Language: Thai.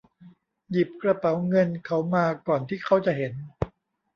หยิบกระเป๋าเงินเขามาก่อนที่เค้าจะเห็น